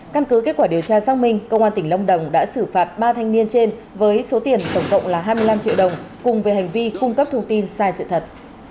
căn cứ kết quả điều tra xác minh công an tỉnh lâm đồng đã xử phạt ba thanh niên trên với số tiền tổng cộng là hai mươi năm triệu đồng cùng với hành vi cung cấp thông tin sai sự thật